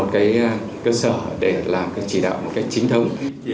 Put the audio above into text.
để làm cái chỉ đạo một cái chính thông